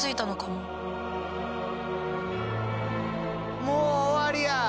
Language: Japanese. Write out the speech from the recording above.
もう終わりや。